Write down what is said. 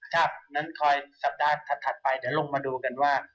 งั้นคอยสัปดาห์ถัดไปเดี๋ยวลงมาดูกันว่า